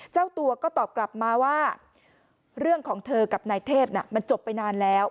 เจ้าตัวก็ตอบกลับมาว่าเรื่องของเธอกับนายเทพมันจบไปนานแล้ว